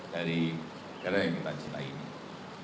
dari segala yang kita cipai ini